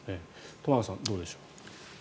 玉川さん、どうでしょう。